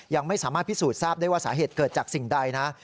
ยังไม่สามารถพิสูจน์ทราบได้ว่าสาเหตุเกิดจากสิ่งใดนะ